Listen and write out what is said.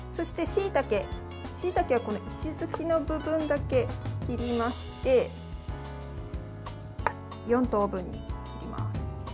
しいたけは石突きの部分だけ切りまして４等分に切ります。